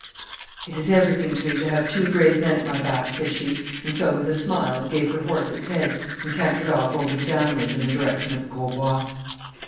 'It is everything to me to have two brave men at my back,' said she, and so, with a smile, gave her horse its head and cantered off over the downland in the direction of Grosbois.